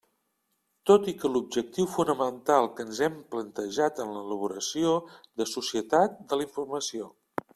Tot i que l'objectiu fonamental que ens hem plantejat en l'elaboració de Societat de la informació.